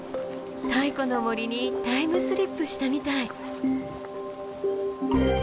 太古の森にタイムスリップしたみたい。